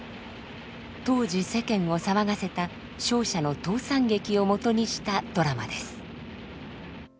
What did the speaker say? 当時世間を騒がせた商社の倒産劇をもとにしたドラマです。